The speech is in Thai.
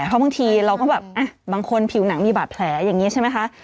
เพราะบางทีเราก็แบบบางคนผิวหนังมีบาดแผลอย่างนี้ใช่ไหมคะ